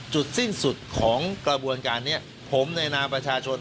จุดสิ้นสุดของกระบวนการนี้ผมในนามประชาชน